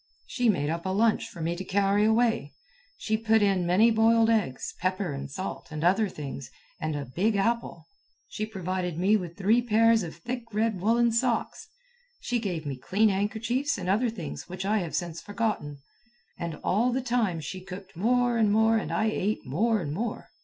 She made up a lunch for me to carry away. She put in many boiled eggs, pepper and salt, and other things, and a big apple. She provided me with three pairs of thick red woollen socks. She gave me clean handkerchiefs and other things which I have since forgotten. And all the time she cooked more and more and I ate more and more.